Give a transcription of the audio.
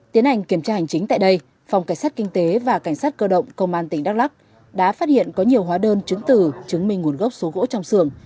tiến hành kiểm tra hành chính tại đây phòng cảnh sát kinh tế và cảnh sát cơ động công an tỉnh đắk lắc đã phát hiện có nhiều hóa đơn chứng từ chứng minh nguồn gốc số gỗ trong xưởng